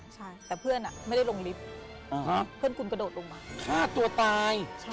ใช่แต่เพื่อนไม่ได้ลงลิฟต์เพื่อนคุณกระโดดลงมาฆ่าตัวตาย